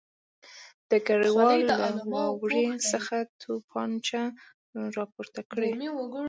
ډګروال له واورې څخه توپانچه راپورته کړه